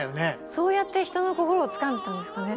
そうやって人の心をつかんでたんですかね。